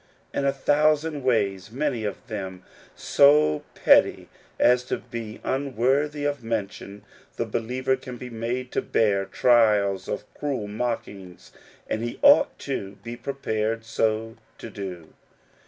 In a thousand ways, many of them so petty as to be unworthy of mention, the believer can be made to bear " trials of cruel mockings," and he ought to be prepared so to do.